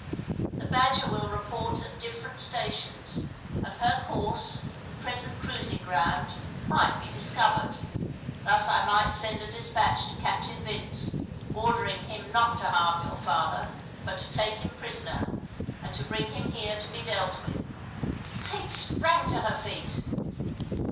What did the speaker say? The Badger will report at different stations, and her course and present cruising ground might be discovered. Thus I might send a despatch to Captain Vince, ordering him not to harm your father, but to take him prisoner, and to bring him here to be dealt with." Kate sprang to her feet.